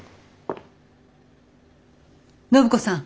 暢子さん。